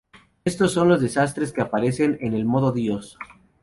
Éstos son los desastres que aparecen en el Modo dios.